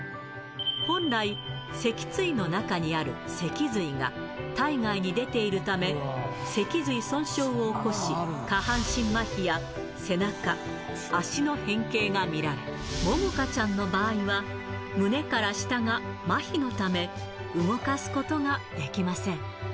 本来、脊椎の中にある脊髄が体外に出ているため、脊髄損傷を起こし、下半身まひや背中、足の変形が見られ、ももかちゃんの場合は、胸から下がまひのため、動かすことができません。